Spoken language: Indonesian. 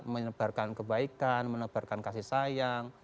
menyebarkan kebaikan menebarkan kasih sayang